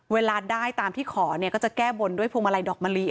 เวลาได้ตามที่ขอเนี่ยก็จะแก้บนด้วยพวงมาลัยดอกมะลิ